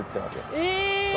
え。